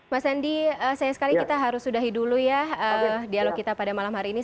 mas andi sayang sekali kita harus sudahi dulu ya dialog kita pada malam hari ini